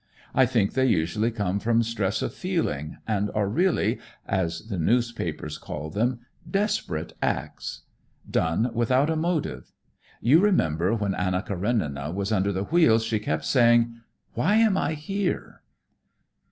I think they usually come from stress of feeling and are really, as the newspapers call them, desperate acts; done without a motive. You remember when Anna Karenina was under the wheels, she kept saying, 'Why am I here?'"